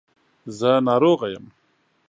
زه ناروغه یم .